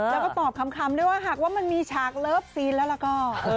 แล้วก็ตอบคำด้วยว่าหากว่ามันมีฉากเลิฟซีนแล้วก็